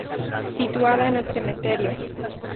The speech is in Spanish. Situada en el cementerio.